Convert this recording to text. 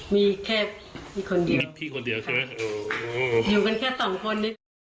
มีแค่คนเดียวมีพี่คนเดียวใช่ไหมโอ้โหอยู่กันแค่สองคนดิ